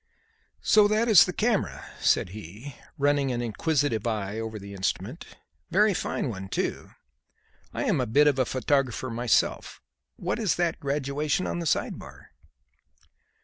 "So that is the camera," said he, running an inquisitive eye over the instrument. "Very fine one, too; I am a bit of a photographer myself. What is that graduation on the side bar?"